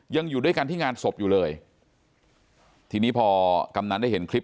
ยังอยู่ด้วยกันที่งานศพอยู่เลยทีนี้พอกำนันได้เห็นคลิป